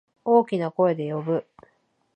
大きな声で呼ぶ。